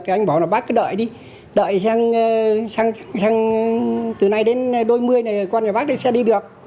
thì anh bảo là bác cứ đợi đi đợi sang sang sang từ nay đến đôi mươi này con nhà bác sẽ đi được